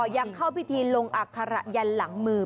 ยังเข้าพิธีลงอัคระยันหลังมือ